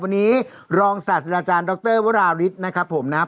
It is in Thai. วันนี้รองศาสตราจารย์ดรวราริสนะครับผมนะครับ